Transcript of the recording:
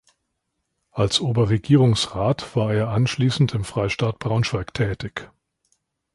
Als Oberregierungsrat war er anschließend im Freistaat Braunschweig tätig.